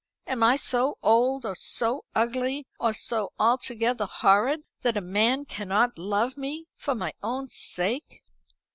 Am I so old, or so ugly, or so altogether horrid, that a man cannot love me for my own sake?"